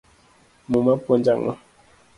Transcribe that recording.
Muma puonjo ango?